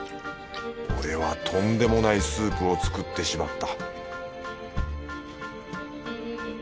俺はとんでもないスープを作ってしまった